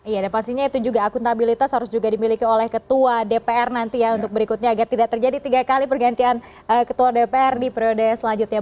iya dan pastinya itu juga akuntabilitas harus juga dimiliki oleh ketua dpr nanti ya untuk berikutnya agar tidak terjadi tiga kali pergantian ketua dpr di periode selanjutnya